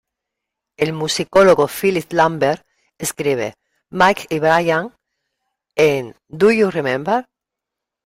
El musicólogo Philip Lambert escribe: "Mike y Brian en 'Do You Remember?